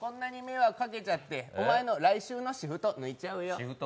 こんなに迷惑かけちゃっておまえの来週のシフト抜いちゃうよ。